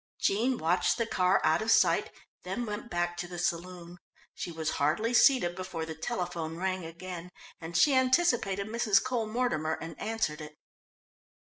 Jean watched the car out of sight, then went back to the saloon. She was hardly seated before the telephone rang again, and she anticipated Mrs. Cole Mortimer, and answered it.